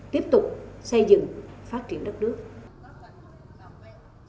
tiếp tục xây dựng phát triển đất nước